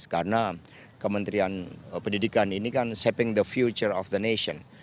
karena kementerian pendidikan ini kan shaping the future of the nation